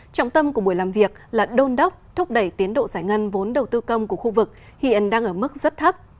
trọng tâm của buổi làm việc là đôn đốc thúc đẩy tiến độ giải ngân vốn đầu tư công của khu vực hiện đang ở mức rất thấp